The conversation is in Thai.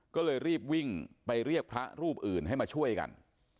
ก็เลยรีบวิ่งไปเรียกพระรูปอื่นให้มาช่วยกัน